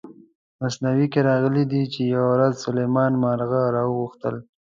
مثنوي کې راغلي چې یوه ورځ سلیمان مارغان را وغوښتل.